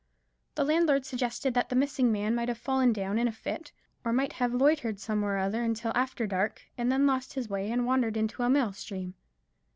The landlord suggested that the missing man might have fallen down in a fit, or might have loitered somewhere or other until after dark, and then lost his way, and wandered into a mill stream.